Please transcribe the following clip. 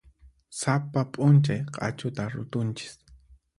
Sapa p'unchay q'achuta rutunchis.